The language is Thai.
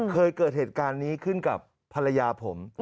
เคยเกิดเหตุการณ์นี้ขึ้นกับภรรยาผม